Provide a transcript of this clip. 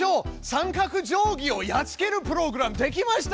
三角定規をやっつけるプログラムできましたよ！